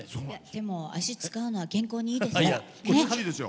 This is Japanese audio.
でも、足使うのは健康にいいですよ。